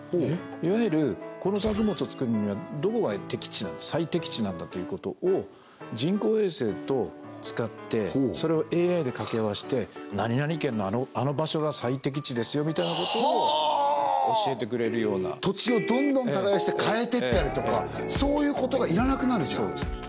いわゆるこの作物を作るにはどこが最適地なんだということを人工衛星を使ってそれをＡＩで掛け合わせて何々県のあの場所が最適地ですよみたいなことを教えてくれるような土地をどんどん耕して変えてったりとかそういうことが要らなくなるんですね